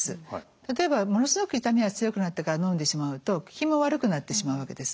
例えばものすごく痛みが強くなってからのんでしまうと効きも悪くなってしまうわけです。